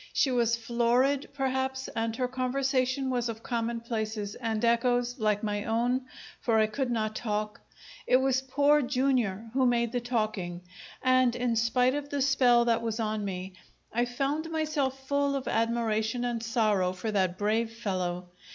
She was florid, perhaps, and her conversation was of commonplaces and echoes, like my own, for I could not talk. It was Poor Jr. who made the talking, and in spite of the spell that was on me, I found myself full of admiration and sorrow for that brave fellow.